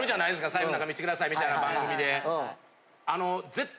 財布の中見せて下さいみたいな番組で。